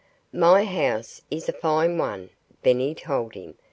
"My house is a fine one," Benny told him.